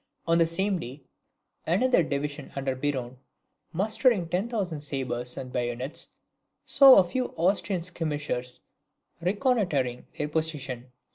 On the same day, another division under Biron, mustering ten thousand sabres and bayonets, saw a few Austrian skirmishers reconnoitering their position.